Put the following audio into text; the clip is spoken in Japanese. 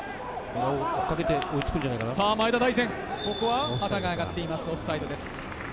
前田大然、ここは旗が上がっています、オフサイドです。